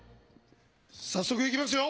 早速いきますよ。